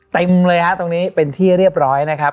เต็มเลยฮะตรงนี้เป็นที่เรียบร้อยนะครับ